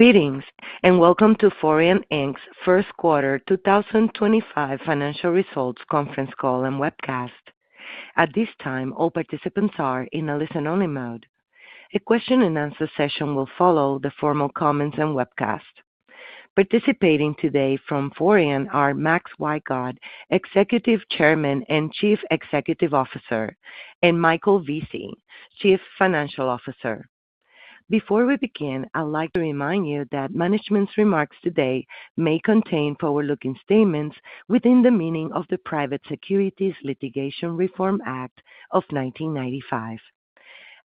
Greetings and welcome to Forian Inc's first quarter 2025 financial results conference call and webcast. At this time, all participants are in a listen-only mode. A question-and-answer session will follow the formal comments and webcast. Participating today from Forian are Max Wygod, Executive Chairman and Chief Executive Officer, and Michael Vesey, Chief Financial Officer. Before we begin, I'd like to remind you that management's remarks today may contain forward-looking statements within the meaning of the Private Securities Litigation Reform Act of 1995.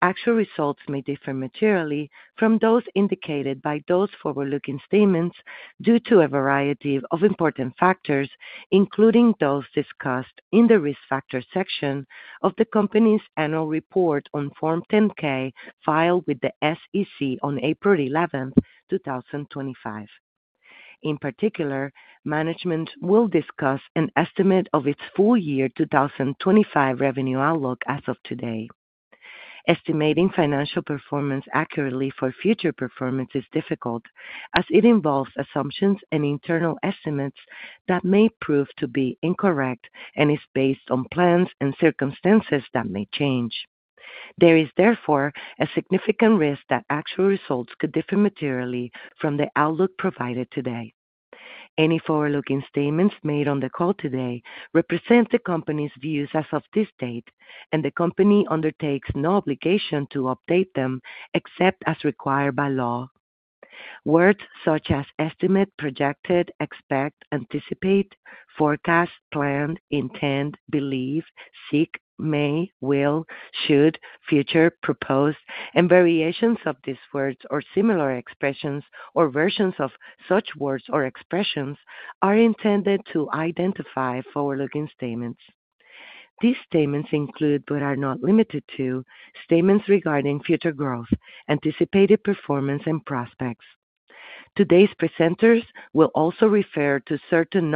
Actual results may differ materially from those indicated by those forward-looking statements due to a variety of important factors, including those discussed in the risk factor section of the company's annual report on Form 10-K filed with the SEC on April 11, 2025. In particular, management will discuss an estimate of its full-year 2025 revenue outlook as of today. Estimating financial performance accurately for future performance is difficult, as it involves assumptions and internal estimates that may prove to be incorrect and is based on plans and circumstances that may change. There is, therefore, a significant risk that actual results could differ materially from the outlook provided today. Any forward-looking statements made on the call today represent the company's views as of this date, and the company undertakes no obligation to update them except as required by law. Words such as estimate, projected, expect, anticipate, forecast, planned, intend, believe, seek, may, will, should, future, proposed, and variations of these words or similar expressions or versions of such words or expressions are intended to identify forward-looking statements. These statements include, but are not limited to, statements regarding future growth, anticipated performance, and prospects. Today's presenters will also refer to certain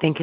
non-GAAP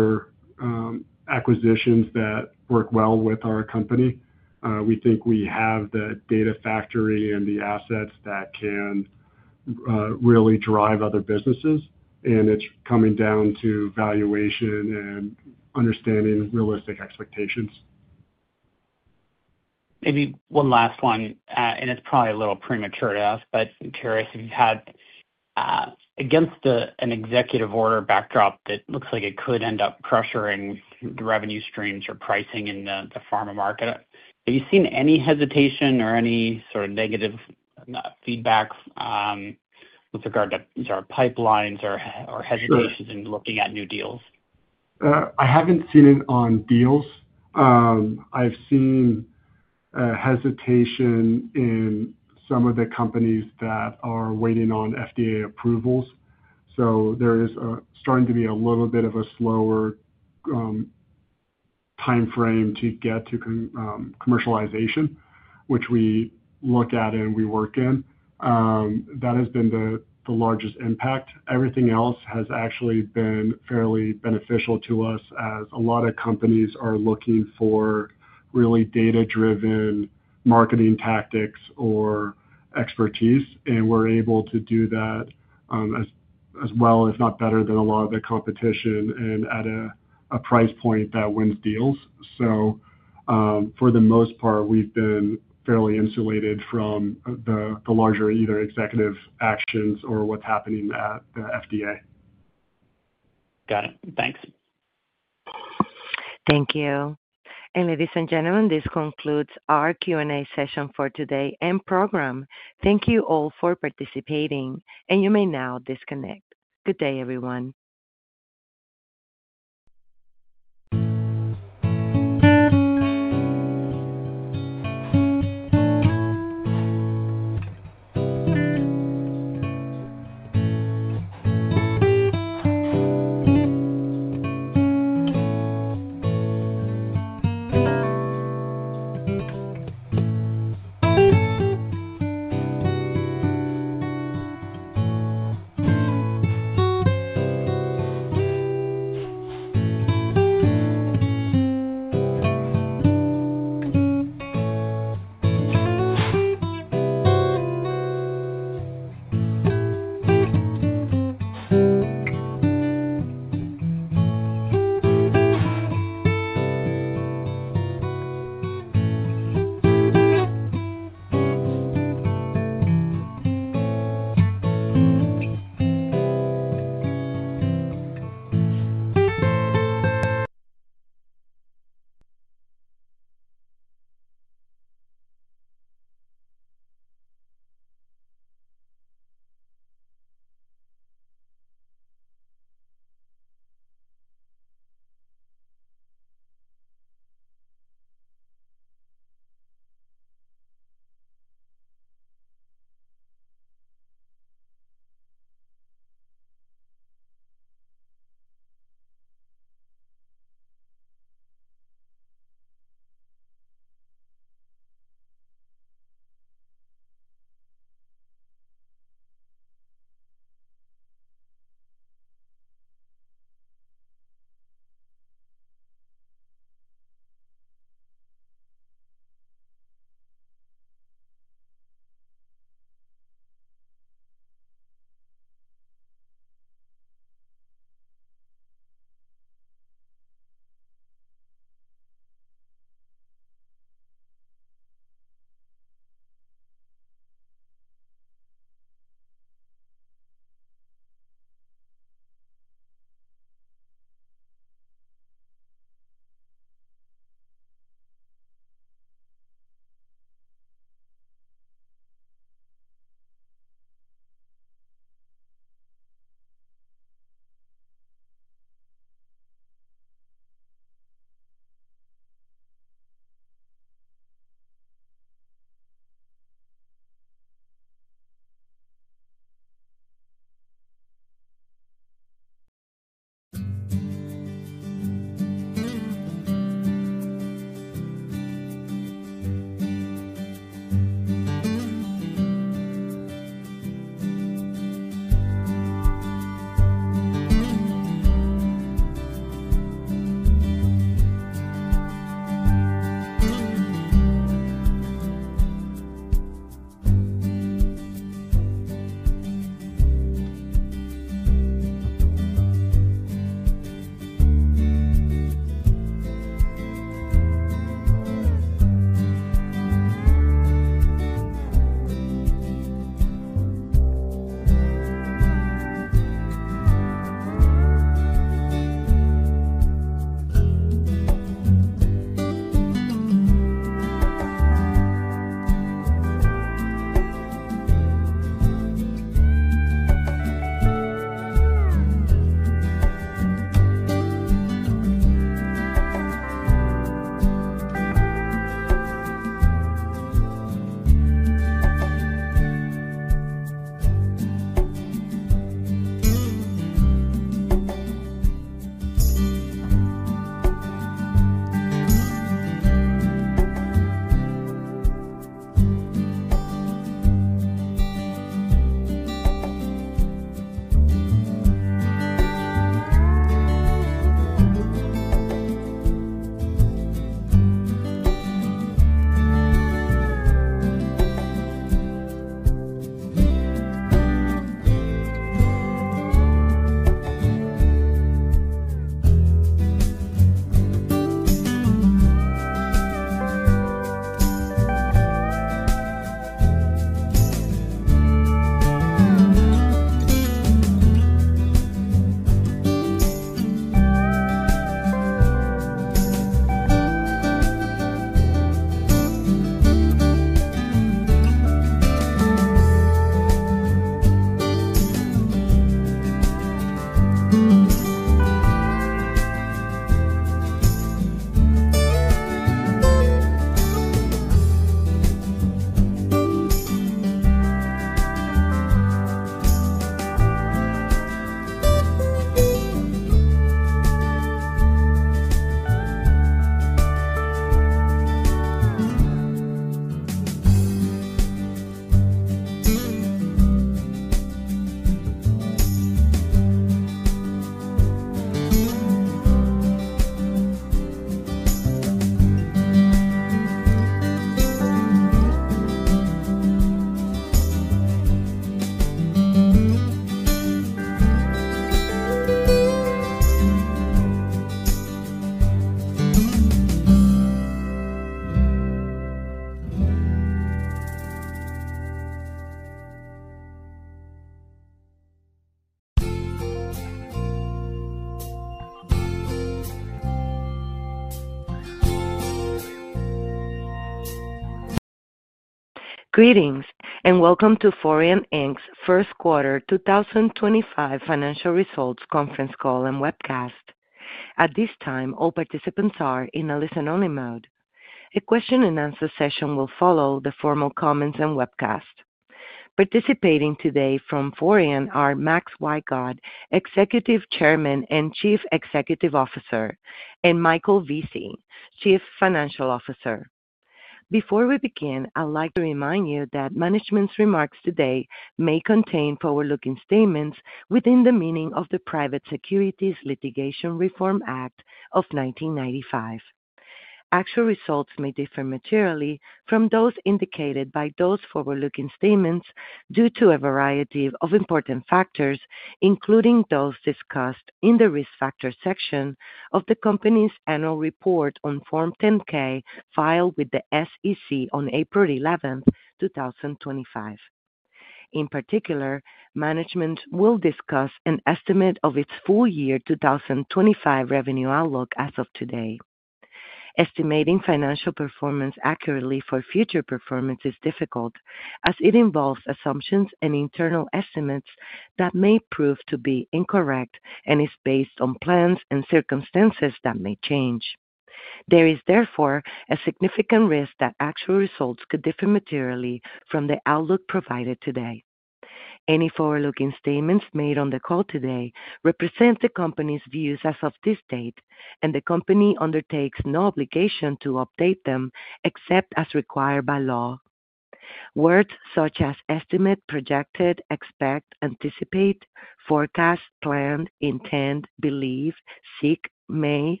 financial measures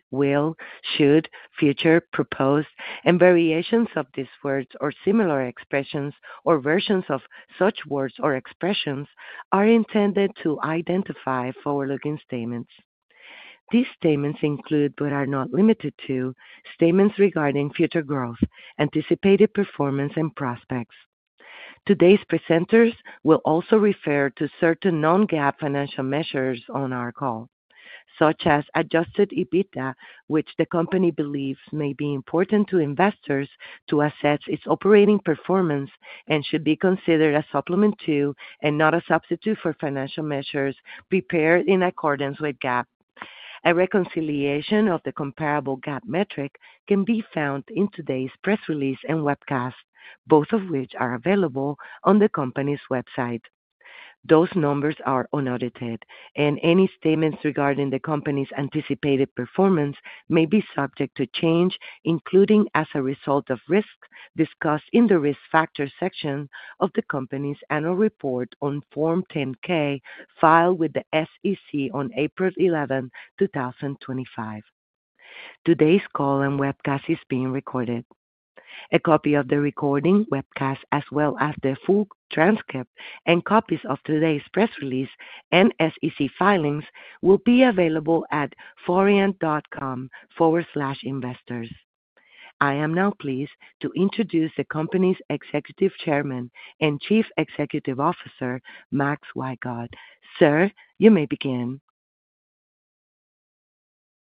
on our call, such as adjusted EBITDA, which the company believes may be important to investors to assess its operating performance and should be considered a supplement to and not a substitute for financial measures prepared in accordance with GAAP. A reconciliation of the comparable GAAP metric can be found in today's press release and webcast, both of which are available on the company's website. Those numbers are unaudited, and any statements regarding the company's anticipated performance may be subject to change, including as a result of risks discussed in the risk factor section of the company's annual report on Form 10-K filed with the SEC on April 11, 2025. Today's call and webcast is being recorded. A copy of the recording, webcast, as well as the full transcript and copies of today's press release and SEC filings will be available at forian.com forward slash investors. I am now pleased to introduce the company's Executive Chairman and Chief Executive Officer, Max Wygod. Sir, you may begin.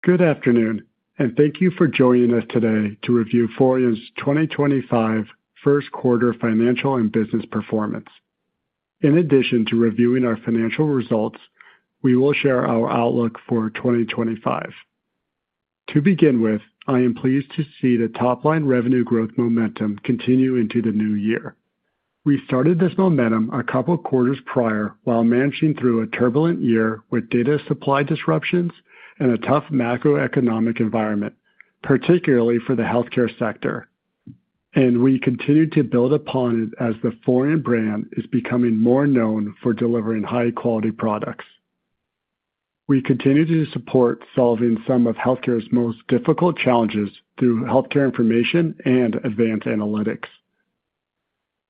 Good afternoon, and thank you for joining us today to review Forian's 2025 first quarter financial and business performance. In addition to reviewing our financial results, we will share our outlook for 2025. To begin with, I am pleased to see the top-line revenue growth momentum continue into the new year. We started this momentum a couple of quarters prior while managing through a turbulent year with data supply disruptions and a tough macroeconomic environment, particularly for the healthcare sector, and we continue to build upon it as the Forian brand is becoming more known for delivering high-quality products. We continue to support solving some of healthcare's most difficult challenges through healthcare information and advanced analytics.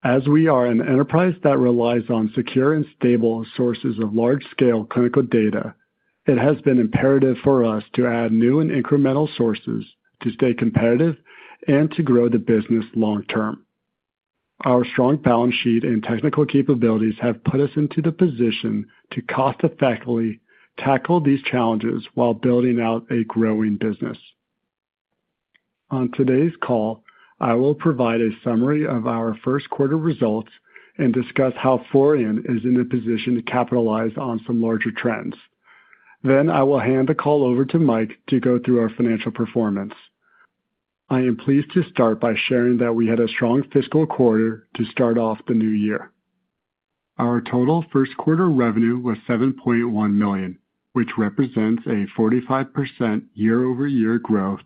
As we are an enterprise that relies on secure and stable sources of large-scale clinical data, it has been imperative for us to add new and incremental sources to stay competitive and to grow the business long-term. Our strong balance sheet and technical capabilities have put us into the position to cost-effectively tackle these challenges while building out a growing business. On today's call, I will provide a summary of our first quarter results and discuss how Forian is in a position to capitalize on some larger trends. Then I will hand the call over to Mike to go through our financial performance. I am pleased to start by sharing that we had a strong fiscal quarter to start off the new year. Our total first quarter revenue was $7.1 million, which represents a 45% year-over-year growth.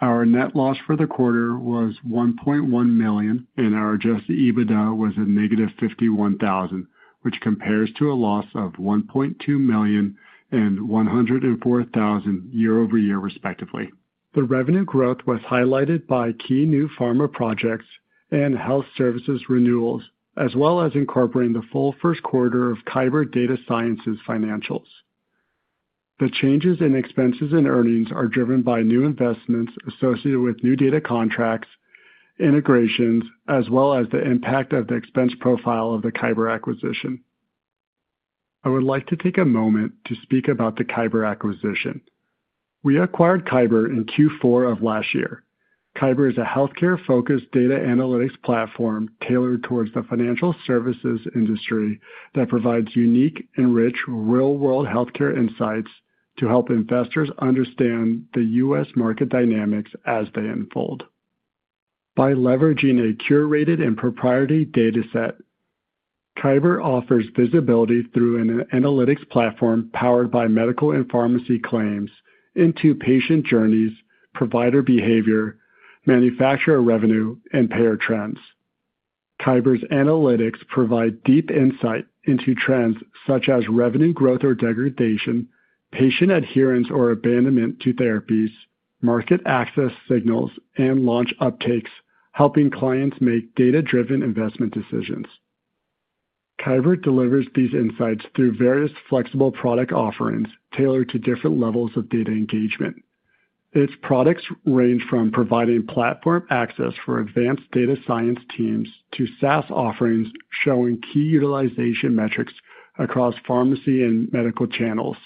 Our net loss for the quarter was $1.1 million, and our adjusted EBITDA was negative $51,000, which compares to a loss of $1.2 million and $104,000 year-over-year, respectively. The revenue growth was highlighted by key new pharma projects and health services renewals, as well as incorporating the full first quarter of Kyber Data Science's financials. The changes in expenses and earnings are driven by new investments associated with new data contracts, integrations, as well as the impact of the expense profile of the Kyber acquisition. I would like to take a moment to speak about the Kyber acquisition. We acquired Kyber in Q4 of last year. Kyber is a healthcare-focused data analytics platform tailored towards the financial services industry that provides unique and rich real-world healthcare insights to help investors understand the U.S. market dynamics as they unfold. By leveraging a curated and proprietary data set, Kyber offers visibility through an analytics platform powered by medical and pharmacy claims into patient journeys, provider behavior, manufacturer revenue, and payer trends. Kyber's analytics provide deep insight into trends such as revenue growth or degradation, patient adherence or abandonment to therapies, market access signals, and launch uptakes, helping clients make data-driven investment decisions. Kyber delivers these insights through various flexible product offerings tailored to different levels of data engagement. Its products range from providing platform access for advanced data science teams to SaaS offerings showing key utilization metrics across pharmacy and medical channels.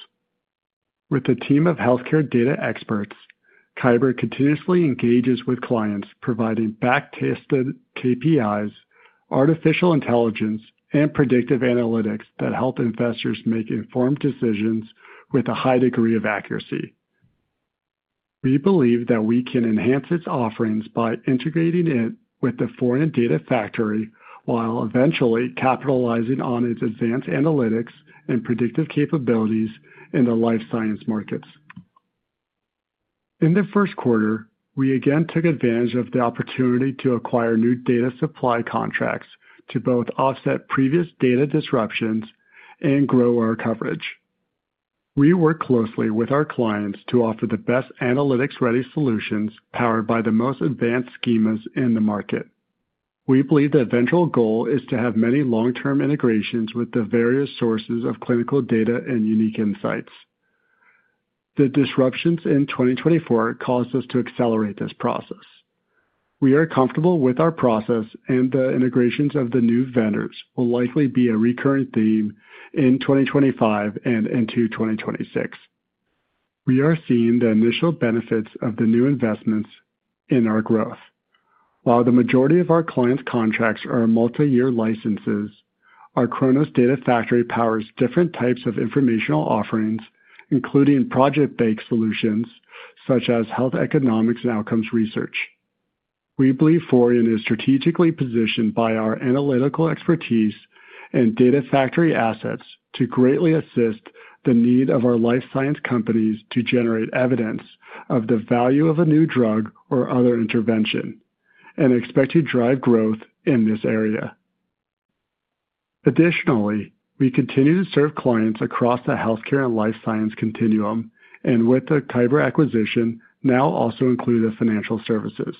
With a team of healthcare data experts, Kyber continuously engages with clients, providing back-tested KPIs, artificial intelligence, and predictive analytics that help investors make informed decisions with a high degree of accuracy. We believe that we can enhance its offerings by integrating it with the Forian Data Factory while eventually capitalizing on its advanced analytics and predictive capabilities in the life science markets. In the first quarter, we again took advantage of the opportunity to acquire new data supply contracts to both offset previous data disruptions and grow our coverage. We work closely with our clients to offer the best analytics-ready solutions powered by the most advanced schemas in the market. We believe the eventual goal is to have many long-term integrations with the various sources of clinical data and unique insights. The disruptions in 2024 caused us to accelerate this process. We are comfortable with our process, and the integrations of the new vendors will likely be a recurring theme in 2025 and into 2026. We are seeing the initial benefits of the new investments in our growth. While the majority of our clients' contracts are multi-year licenses, our CHRONOS Data Factory powers different types of informational offerings, including project-based solutions such as health economics and outcomes research. We believe Forian is strategically positioned by our analytical expertise and data factory assets to greatly assist the need of our life science companies to generate evidence of the value of a new drug or other intervention and expect to drive growth in this area. Additionally, we continue to serve clients across the healthcare and life science continuum, and with the Kyber acquisition now also includes the financial services.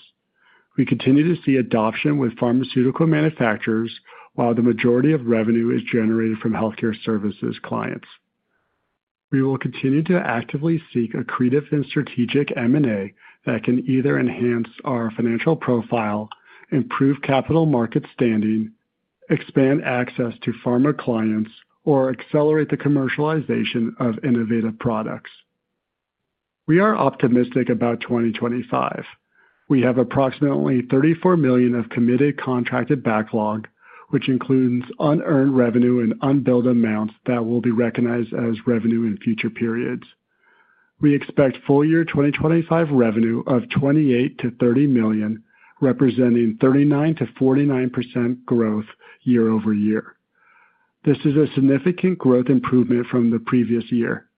We continue to see adoption with pharmaceutical manufacturers while the majority of revenue is generated from healthcare services clients. We will continue to actively seek accretive and strategic M&A that can either enhance our financial profile, improve capital market standing, expand access to pharma clients, or accelerate the commercialization of innovative products. We are optimistic about 2025. We have approximately $34 million of committed contracted backlog, which includes unearned revenue and unbilled amounts that will be recognized as revenue in future periods. We expect full-year 2025 revenue of $28 million-$30 million, representing 39%-49% growth year-over-year. This is a significant growth improvement from the previous year.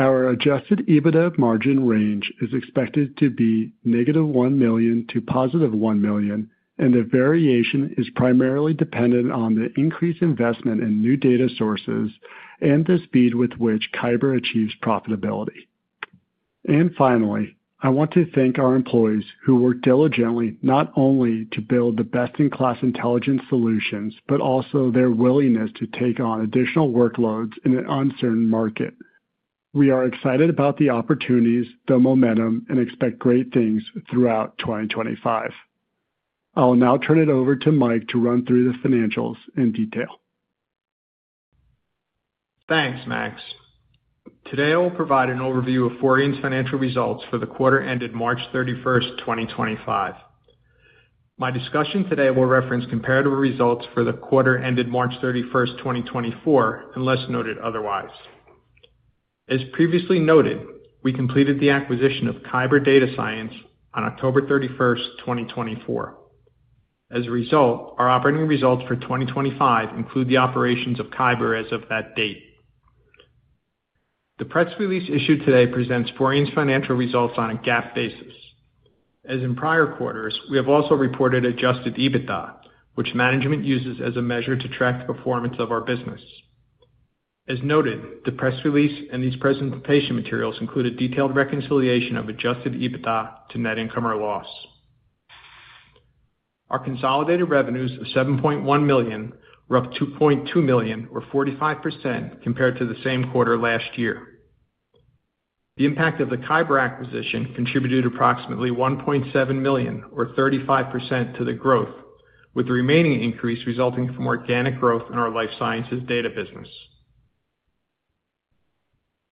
Our adjusted EBITDA margin range is expected to be negative $1 million to positive $1 million, and the variation is primarily dependent on the increased investment in new data sources and the speed with which Kyber achieves profitability. Finally, I want to thank our employees who work diligently not only to build the best-in-class intelligence solutions but also their willingness to take on additional workloads in an uncertain market. We are excited about the opportunities, the momentum, and expect great things throughout 2025. I'll now turn it over to Mike to run through the financials in detail. Thanks, Max. Today, I will provide an overview of Forian's financial results for the quarter ended March 31, 2025. My discussion today will reference comparative results for the quarter ended March 31, 2024, unless noted otherwise. As previously noted, we completed the acquisition of Kyber Data Science on October 31, 2024. As a result, our operating results for 2025 include the operations of Kyber as of that date. The press release issued today presents Forian's financial results on a GAAP basis. As in prior quarters, we have also reported adjusted EBITDA, which management uses as a measure to track the performance of our business. As noted, the press release and these presentation materials include a detailed reconciliation of adjusted EBITDA to net income or loss. Our consolidated revenues of $7.1 million were up $2.2 million, or 45%, compared to the same quarter last year. The impact of the Kyber acquisition contributed approximately $1.7 million, or 35%, to the growth, with the remaining increase resulting from organic growth in our life sciences data business.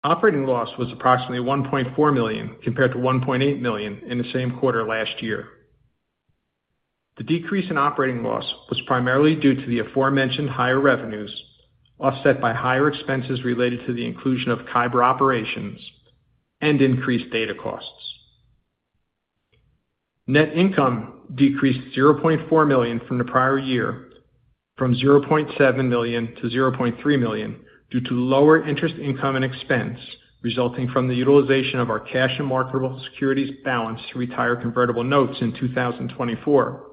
Operating loss was approximately $1.4 million compared to $1.8 million in the same quarter last year. The decrease in operating loss was primarily due to the aforementioned higher revenues offset by higher expenses related to the inclusion of Kyber operations and increased data costs. Net income decreased $0.4 million from the prior year from $0.7 million to $0.3 million due to lower interest income and expense resulting from the utilization of our cash and marketable securities balance to retire convertible notes in 2024,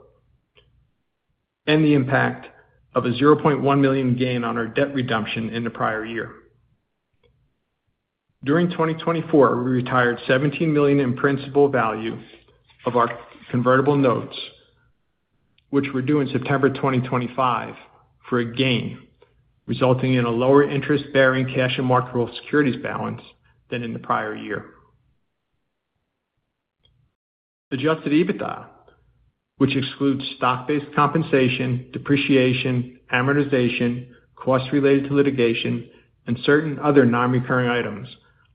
and the impact of a $0.1 million gain on our debt redemption in the prior year. During 2024, we retired $17 million in principal value of our convertible notes, which were due in September 2025 for a gain, resulting in a lower interest-bearing cash and marketable securities balance than in the prior year. Adjusted EBITDA, which excludes stock-based compensation, depreciation, amortization, costs related to litigation, and certain other non-recurring items,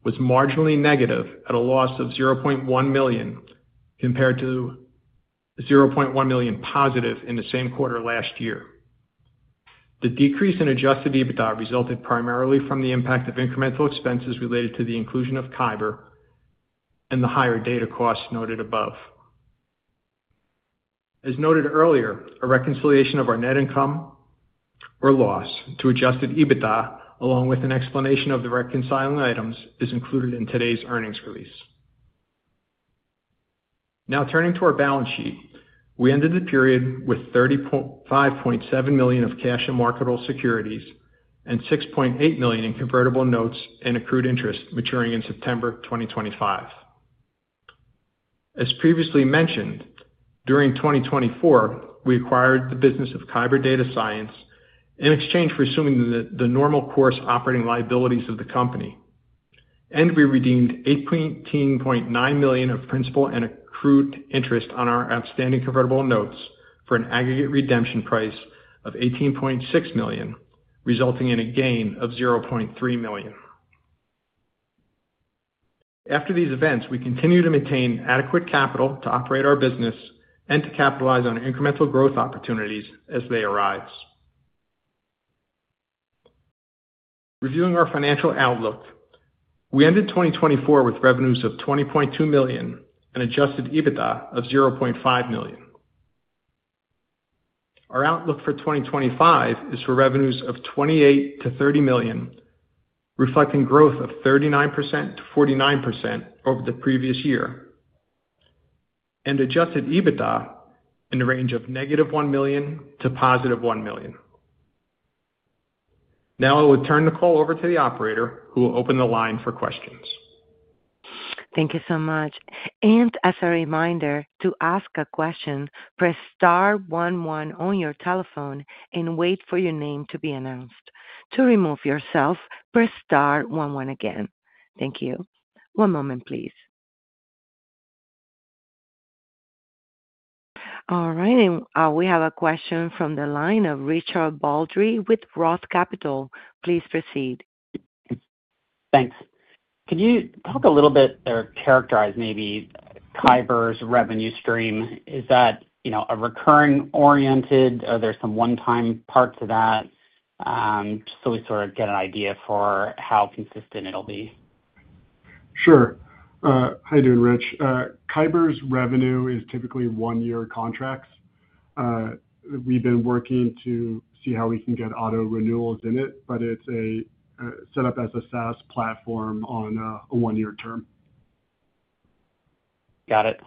was marginally negative at a loss of $0.1 million compared to $0.1 million positive in the same quarter last year. The decrease in adjusted EBITDA resulted primarily from the impact of incremental expenses related to the inclusion of Kyber and the higher data costs noted above. As noted earlier, a reconciliation of our net income or loss to adjusted EBITDA, along with an explanation of the reconciling items, is included in today's earnings release. Now turning to our balance sheet, we ended the period with $35.7 million of cash and marketable securities and $6.8 million in convertible notes and accrued interest maturing in September 2025. As previously mentioned, during 2024, we acquired the business of Kyber Data Science in exchange for assuming the normal course operating liabilities of the company, and we redeemed $18.9 million of principal and accrued interest on our outstanding convertible notes for an aggregate redemption price of $18.6 million, resulting in a gain of $0.3 million. After these events, we continue to maintain adequate capital to operate our business and to capitalize on incremental growth opportunities as they arise. Reviewing our financial outlook, we ended 2024 with revenues of $20.2 million and adjusted EBITDA of $0.5 million. Our outlook for 2025 is for revenues of $28 million-$30 million, reflecting growth of 39%-49% over the previous year, and adjusted EBITDA in the range of negative $1 million to positive $1 million. Now I will turn the call over to the operator, who will open the line for questions. Thank you so much. As a reminder, to ask a question, press star one one on your telephone and wait for your name to be announced. To remove yourself, press star one one again. Thank you. One moment, please. All right. We have a question from the line of Richard Baldry with ROTH Capital. Please proceed. Thanks. Can you talk a little bit or characterize maybe Kyber's revenue stream? Is that a recurring-oriented? Are there some one-time parts of that? Just so we sort of get an idea for how consistent it'll be. Sure. Hi there, Rich. Kyber's revenue is typically one-year contracts. We've been working to see how we can get auto renewals in it, but it's set up as a SaaS platform on a one-year term. Got it.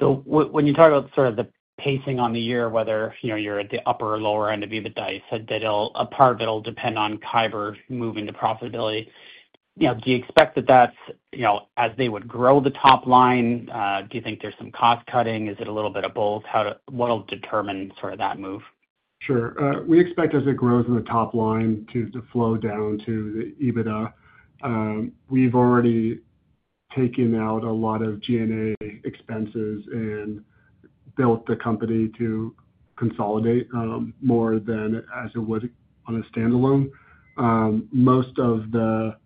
When you talk about sort of the pacing on the year, whether you're at the upper or lower end of the dice, a part of it will depend on Kyber moving to profitability. Do you expect that that's as they would grow the top line? Do you think there's some cost cutting? Is it a little bit of both? What will determine sort of that move? Sure. We expect as it grows in the top line to flow down to the EBITDA. We've already taken out a lot of G&A expenses and built the company to consolidate more than as it would on a standalone. Most of the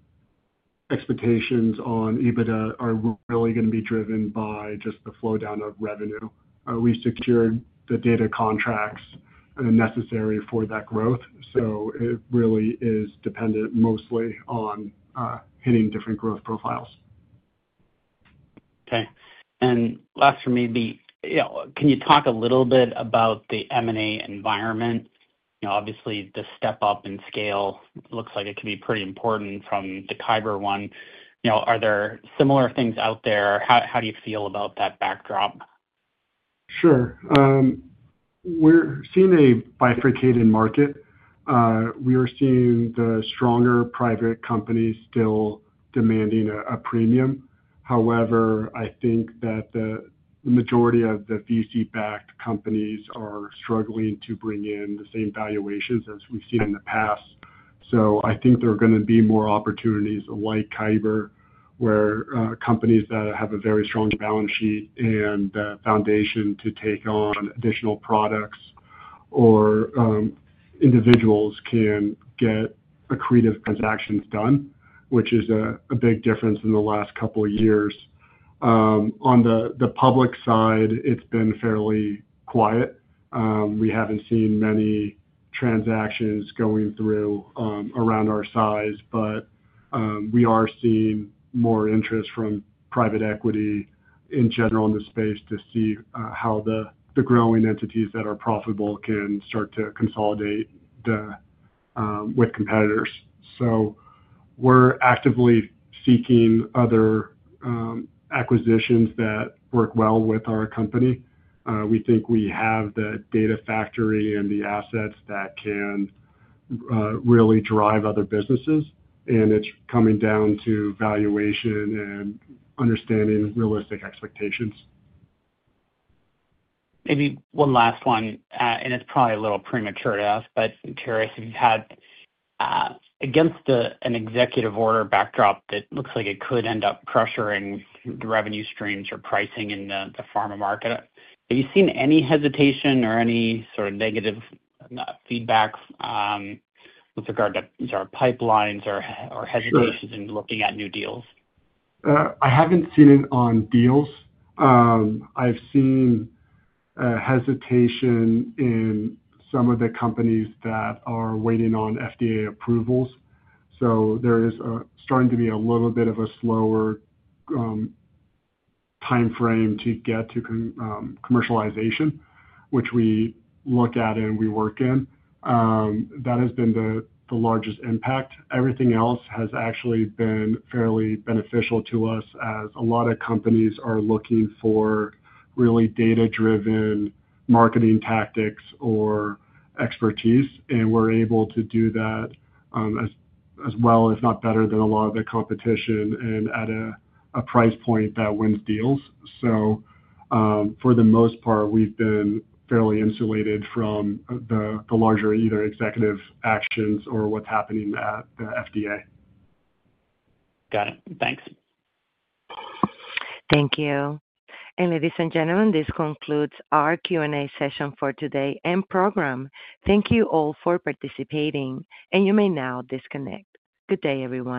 expectations on EBITDA are really going to be driven by just the flow down of revenue. We secured the data contracts necessary for that growth. It really is dependent mostly on hitting different growth profiles. Okay. And last for me, can you talk a little bit about the M&A environment? Obviously, the step up in scale looks like it could be pretty important from the Kyber one. Are there similar things out there? How do you feel about that backdrop? Sure. where companies that have a very strong balance sheet and foundation to take on additional products or individuals can get accretive transactions done, which is a big difference in the last couple of years. On the public side, it's been fairly quiet. We haven't seen many transactions going through around our size, but we are seeing more interest from private equity in general in the space to see how the growing entities that are profitable can start to consolidate with competitors. We're actively seeking other acquisitions that work well with our company. We think we have the data factory and the assets that can really drive other businesses, and it's coming down to valuation and understanding realistic expectations. Maybe one last one, and it's probably a little premature to ask, but I'm curious if you've had against an executive order backdrop that looks like it could end up pressuring the revenue streams or pricing in the pharma market. Have you seen any hesitation or any sort of negative feedback with regard to pipelines or hesitations in looking at new deals? I haven't seen it on deals. I've seen hesitation in some of the companies that are waiting on FDA approvals. There is starting to be a little bit of a slower timeframe to get to commercialization, which we look at and we work in. That has been the largest impact. Everything else has actually been fairly beneficial to us as a lot of companies are looking for really data-driven marketing tactics or expertise, and we're able to do that as well, if not better than a lot of the competition, and at a price point that wins deals. For the most part, we've been fairly insulated from the larger either executive actions or what's happening at the FDA. Got it. Thanks. Thank you. Ladies and gentlemen, this concludes our Q&A session for today and program. Thank you all for participating, and you may now disconnect. Good day, everyone.